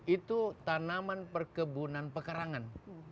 itu tanaman perkebunan pekerangan